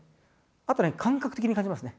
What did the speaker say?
あとね感覚的に感じますね。